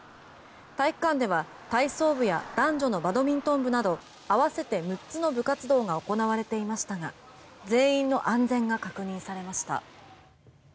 体育館では体操部や男女のバドミントン部などあわせて三つの部活動が行われていましたが全員の安全が確認されました。